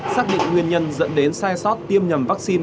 xác định nguyên nhân dẫn đến sai sót tiêm nhầm vaccine